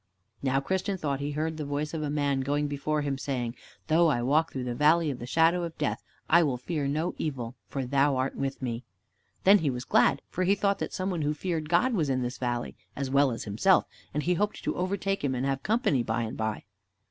Now Christian thought he heard the voice of a man going before him, saying, "Though I walk through the Valley of the Shadow of Death, I will fear no evil, for Thou art with me." Then he was glad, for he thought that some one who feared God was in this valley, as well as himself, and he hoped to overtake him and have company by and by.